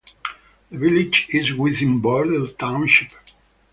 The village is within Burdell Township.